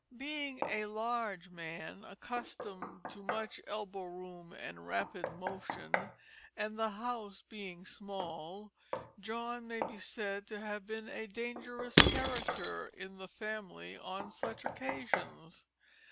Being a large man, accustomed to much elbow room and rapid motion, and the house being small, John may be said to have been a dangerous character in the family on such occasions.